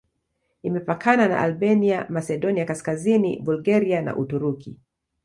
Imepakana na Albania, Masedonia Kaskazini, Bulgaria na Uturuki.